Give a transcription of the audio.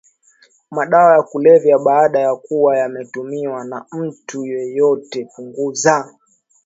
madawa ya kulevya baada ya kuwa yametumiwa na mtu yeyote hupunguza